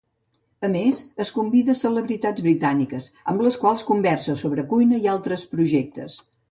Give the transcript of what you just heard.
A més, es convida celebritats britàniques, amb les quals conversa sobre cuina i altres projectes.